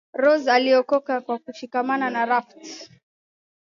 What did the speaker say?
rose aliokoka kwa kushikamana na raft